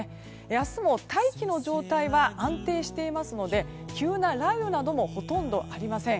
明日も大気の状態は安定していますので急な雷雨などもほとんどありません。